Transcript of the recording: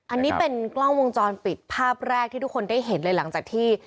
อันนี้เป็นกล้องวงจรปิดภาพแรกที่ทุกคนได้เห็นเลยหลังจากที่